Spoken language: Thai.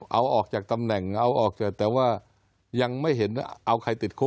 เอาออกจากตำแหน่งแต่ว่ายังไม่เห็นเอาใครติดคุก